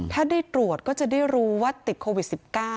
ถ้าได้ตรวจก็จะได้รู้ว่าติดโควิด๑๙